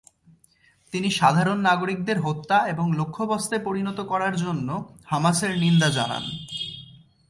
তিনি সাধারণ নাগরিকদের হত্যা এবং লক্ষ্যবস্তুে পরিণত করার জন্য হামাসের নিন্দা জানান।